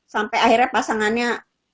sampai akhirnya pasangannya